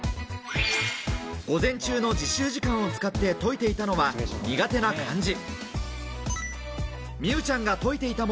午前中の自習時間を使って解いていたのは苦手な漢字。